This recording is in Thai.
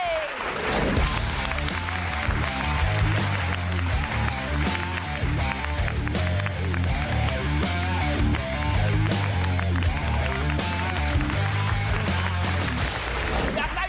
ส่งส่งเลยส่งส่งเลย